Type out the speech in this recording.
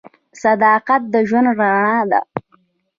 صداقت د ژوند رڼا ده.